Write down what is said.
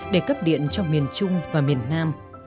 để cấp điện cho miền trung và miền nam